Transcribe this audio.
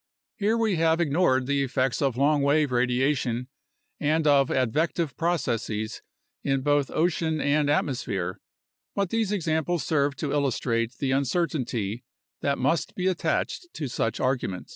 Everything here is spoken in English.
Here we have ignored the effects of long wave radiation and of advective pro cesses in both ocean and atmosphere, but these examples serve to illus trate the uncertainty that must be attached to such arguments.